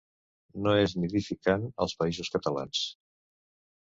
No és nidificant als Països Catalans.